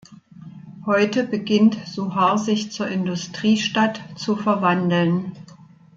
Heute beginnt Suhar sich zur Industriestadt zu verwandeln.